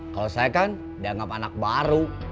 kalau saya kan dianggap anak baru